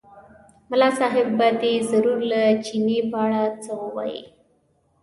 ملا صاحب به دی ضرور له چیني په اړه څه ووایي.